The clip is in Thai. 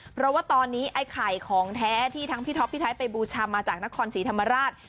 เพราะว่าตอนนี้ไอ้ไข่ของแท้ที่ทั้งพี่ท็อปพี่ไทยไปบูชามาจากนครศรีธรรมราช